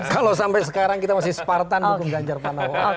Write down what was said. kalau sampai sekarang kita masih spartan dukung ganjar panawa